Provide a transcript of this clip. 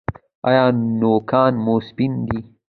ایا نوکان مو سپین دي؟